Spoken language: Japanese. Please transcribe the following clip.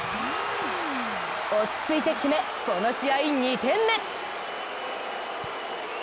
落ち着いて決め、この試合２点目！